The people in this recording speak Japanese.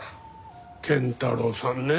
謙太郎さんねえ